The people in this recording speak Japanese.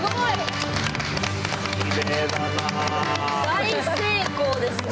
大成功ですね！